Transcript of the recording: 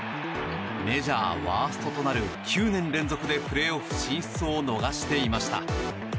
メジャーワーストとなる９年連続でプレーオフ進出を逃していました。